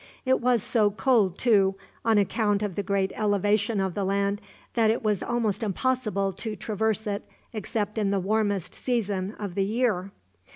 It was so cold, too, on account of the great elevation of the land, that it was almost impossible to traverse it except in the warmest season of the year.